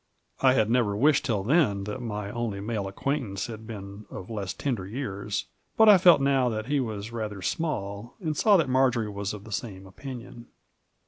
I had never wished till then that my only male acquaintance had been of less tender years, but I felt now that he was rather small, and saw that Marjory was of the same opinion.